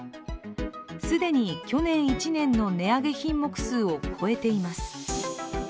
既に去年１年の値上げ品目数を超えています。